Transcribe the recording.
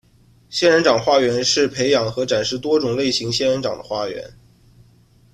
仙人掌花园是培养和展示多种类型仙人掌的花园。